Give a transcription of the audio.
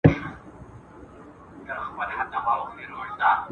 او دا برکت په سخاوت کي دی.